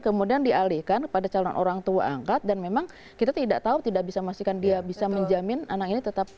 kemudian dialihkan kepada calon orang tua angkat dan memang kita tidak tahu tidak bisa memastikan dia bisa menjamin anak ini tetap